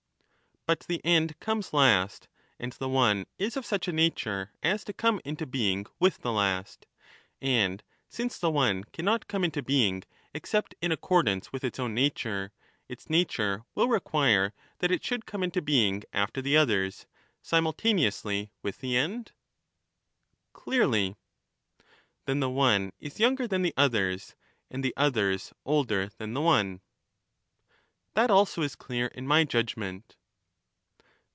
But the end comes last, and the one is of such a nature as and there to come into being with the last ; and, since the one cannot y°™^ come into being except in accordance with its own nature, than the its nature will require that it should come into being after ^^^^^^ the others, simultaneously with the end. each part Clearly. Then the one is younger than the others and the others older than the one. That also is clear in my judgment.